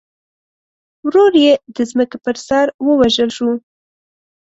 ورور یې د ځمکې پر سر ووژل شو.